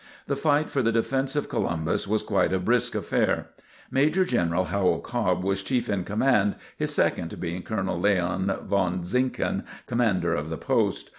The fight for the defence of Columbus was quite a brisk affair. Major General Howell Cobb was chief in command, his second being Colonel Leon Von Zinken, Commander of the post.